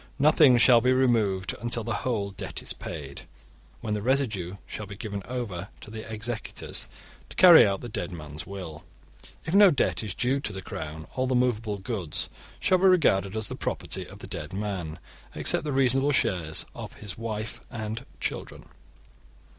Nothing shall be removed until the whole debt is paid, when the residue shall be given over to the executors to carry out the dead man's will. If no debt is due to the Crown, all the movable goods shall be regarded as the property of the dead man, except the reasonable shares of his wife and children.